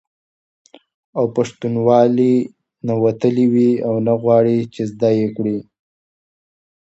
او پښتنوالي نه وتلي وي او نه غواړي، چې زده یې کړي